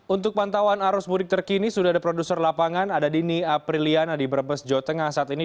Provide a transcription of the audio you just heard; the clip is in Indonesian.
untuk pantauan arus mudik terkini sudah ada produser lapangan ada dini apriliana di brebes jawa tengah saat ini